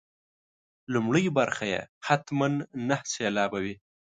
لومړۍ برخه یې حتما نهه سېلابه وي.